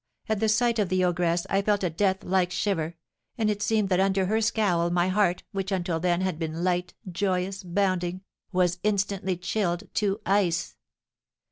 At the sight of the ogress I felt a death like shiver, and it seemed that under her scowl my heart, which, until then, had been light, joyous, bounding, was instantly chilled to ice.